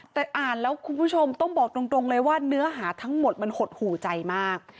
แต่อ่านแล้วคุณผู้ชมต้องบอกตรงเลยว่าเนื้อหาทั้งหมดมันหดหูใจมาก